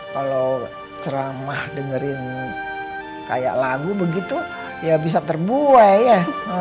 kalau ceramah dengerin kayak lagu begitu ya bisa terbuai ya